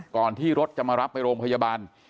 ที่รถจะมารับไปโรงพยาบาล